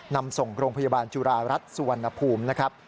นำส่งโรงพยาบาลจุฬารัฐสุวรรณภูมินะครับ